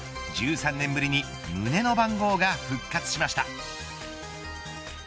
１３年ぶりに胸の番号が復活しました。